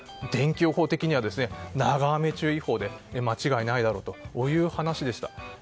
でんき予報的には、長雨注意報で間違いないだろうという話でした。